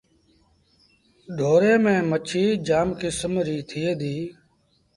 ڍوري ميݩ مڇيٚ جآم ڪسم ريٚ ٿئي ديٚ۔